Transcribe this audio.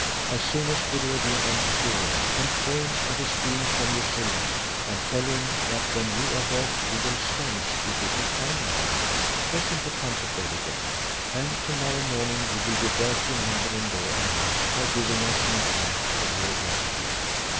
As soon as Buddir ad Deen enters your room, complain of his being from you so long, and tell him, that when you awoke, you were astonished you did not find him by you. Press him to come to bed again; and to morrow morning you will divert your mother in law and me, by giving us an account of your interview."